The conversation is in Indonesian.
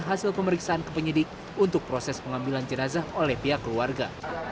hasil pemeriksaan ke penyidik untuk proses pengambilan jenazah oleh pihak keluarga